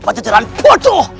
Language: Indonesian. pada jalan bodoh